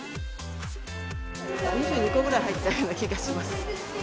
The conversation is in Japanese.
２２個ぐらい入ったような気がします。